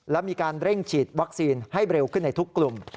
และมีการเร่งฉีดวัคซีนให้เร็วขึ้นในทุกกลุ่ม